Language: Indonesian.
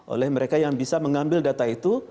oleh mereka yang bisa mengambil data itu